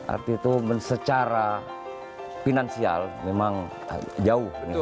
arti itu secara finansial memang jauh